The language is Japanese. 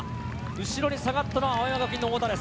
後ろに下がったのは青山学院・太田です。